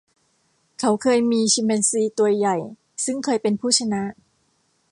เขาเคยมีชิมแปนซีตัวใหญ่ซึ่งเคยเป็นผู้ชนะ